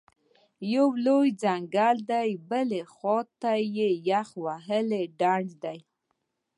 یوه لور ته ځنګل دی، بلې خوا ته یخ وهلی ډنډ دی